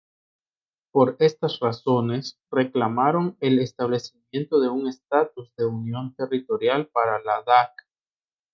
Por estas razones, reclamaron el establecimiento de un estatus de unión territorial para Ladakh.